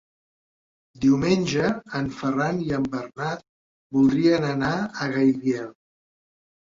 Diumenge en Ferran i en Bernat voldrien anar a Gaibiel.